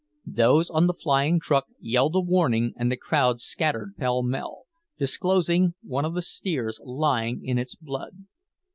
Those on the flying truck yelled a warning and the crowd scattered pell mell, disclosing one of the steers lying in its blood.